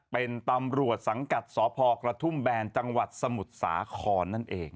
เป็นตำรวจสังกัดสพกระทุ่มแบนจังหวัดสมุทรสาครนั่นเอง